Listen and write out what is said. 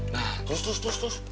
nah terus terus terus